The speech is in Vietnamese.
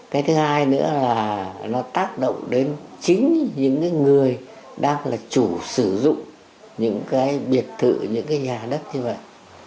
cái thứ hai nữa là nó tác động đến chính những cái người đang là chủ sử dụng những cái biệt thự những cái nhà đất như vậy